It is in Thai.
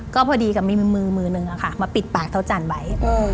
ก็พอดีกับมีมือมือนึงมาปิดปากเท้าจันทร์ไว้